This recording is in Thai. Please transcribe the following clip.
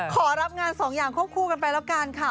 ขอรับงานสองอย่างควบคู่กันไปแล้วกันค่ะ